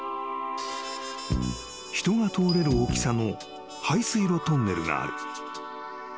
［人が通れる大きさの排水路トンネルがある］